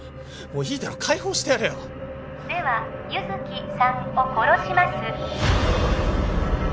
もういいだろ解放してやれよでは優月さんを殺します